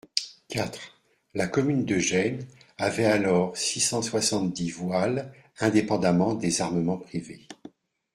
quatre La commune de Gênes avait alors six cent soixante-dix voiles indépendamment des armements privés.